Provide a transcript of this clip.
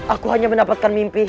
aku hanya mendapatkan mimpi